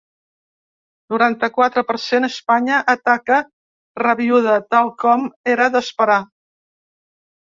Noranta-quatre per cent Espanya ataca rabiüda, tal com era d’esperar.